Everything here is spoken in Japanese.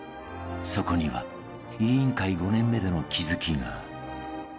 ［そこには『委員会』５年目での気付きが］